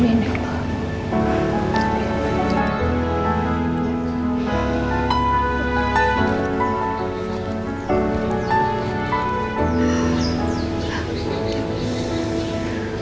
amin ya pak